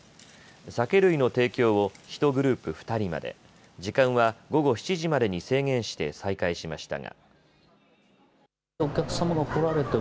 酒類の提供を１グループ２人まで、時間は午後７時までに制限して再開しましたが。